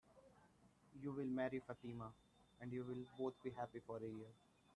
You'll marry Fatima, and you'll both be happy for a year.